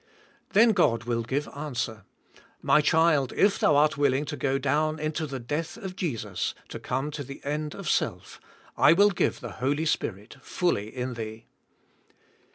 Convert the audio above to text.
Then God will g ive answer. My child, if thou art willing to g o down into the death of Jesus, to come to the end of self, I will g ive the Holy Spirit fully in thee.